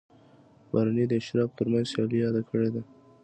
برني د اشرافو ترمنځ سیالي یاده کړې ده.